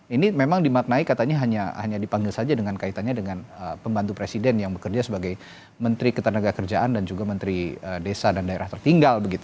ini memang dimaknai katanya hanya dipanggil saja dengan kaitannya dengan pembantu presiden yang bekerja sebagai menteri ketenaga kerjaan dan juga menteri desa dan daerah tertinggal